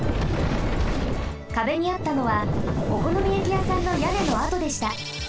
かべにあったのはおこのみやきやさんのやねのあとでした。